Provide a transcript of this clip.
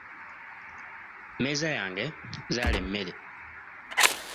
Mmeeza yange zaala emmere.